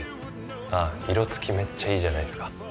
あぁ色つきめっちゃいいじゃないですか。